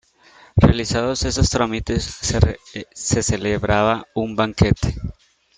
Realizados estos trámites, se celebraba un banquete.